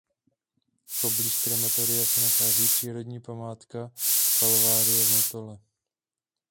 Poblíž krematoria se nachází přírodní památka Kalvárie v Motole.